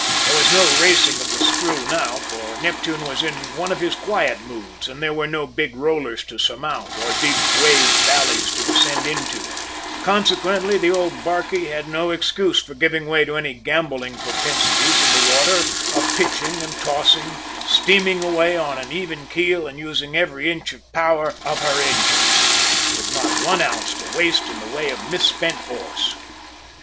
There was no "racing" of the screw now, for Neptune was in one of his quiet moods and there were no big rollers to surmount, or deep wave valleys to descend into; consequently the old barquey had no excuse for giving way to any gambolling propensities in the water of pitching and tossing, steaming away on an even keel and using every inch of power of her engines, with not an ounce to waste in the way of mis spent force!